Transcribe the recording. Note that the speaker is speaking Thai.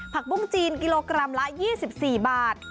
ปุ้งจีนกิโลกรัมละ๒๔บาท